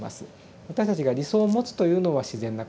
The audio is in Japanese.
私たちが理想を持つというのは自然なこと。